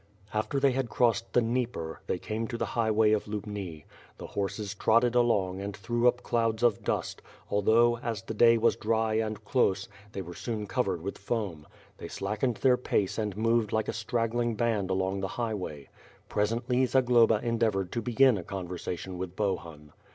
After they had crossed the Dnieper, they came to the high way of Lubni. The horses trotted along and threw up clouds of dust, although, as the day was dry and close, they were soon covered with foam. They slackened their pace and moved like a straggling band along the highway, l^esently, Zagloba endeavored to begin a conversation with Bohun.